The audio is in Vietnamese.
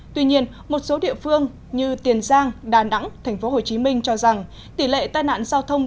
tuy nhiên một số địa phương như tiền giang đà nẵng tp hcm cho rằng tỷ lệ tai nạn giao thông